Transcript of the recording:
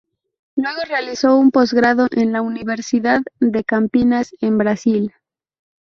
Luego realizó un posgrado en la Universidad de Campinas en Brasil.